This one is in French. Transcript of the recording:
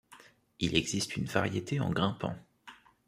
Il existe une variété en grimpant.